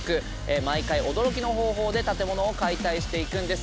毎回驚きの方法で建物を解体していくんです。